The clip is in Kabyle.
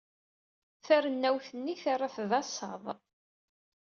Tarennawt-nni terra-t d asaḍ.